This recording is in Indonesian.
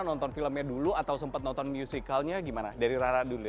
nonton filmnya dulu atau sempat nonton musicalnya gimana dari rara dulu